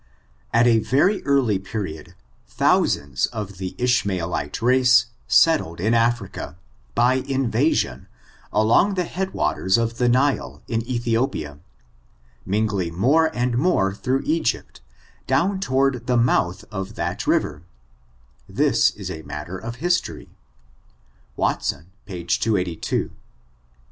At a very early period, thousands of the Ishmaelite race settled in Africa, by invasion, along the head waters of the Nile, in Ethiopia, mingling more and more through Egypt, down toward the moliths of that river ; this is a matter of history. Watsatij 282.